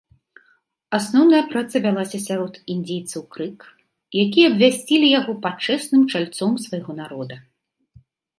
Асноўная праца вялася сярод індзейцаў крык, якія абвясцілі яго пачэсным чальцом свайго народа.